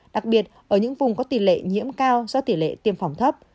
đặc biệt ở những vùng có tỷ lệ nhiễm cao do tỷ lệ tiêm phòng thấp